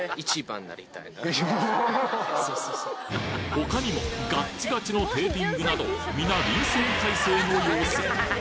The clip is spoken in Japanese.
他にもガッチガチのテーピングなど皆臨戦態勢の様子！